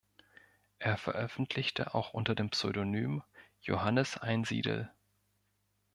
Er veröffentlichte auch unter dem Pseudonym "Johannes Einsiedel".